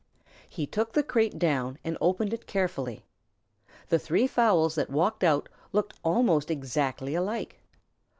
He took the crate down and opened it carefully. The three fowls that walked out looked almost exactly alike.